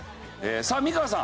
さあ美川さん。